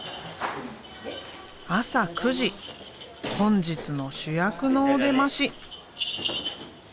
朝９時本日の主役のお出まし。